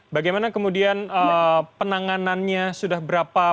bagaimana kemudian penanganannya sudah berapa